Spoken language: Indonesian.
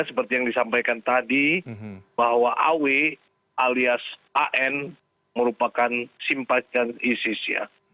seperti yang disampaikan tadi bahwa aw alias an merupakan simpacan isis ya